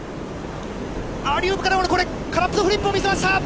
アリウープからのカラッドフリップを見せました。